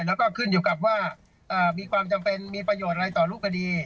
แล้วก็ขึ้นอยู่กับว่ามีความจำเป็นมีประโยชน์อะไรต่อรูปคดี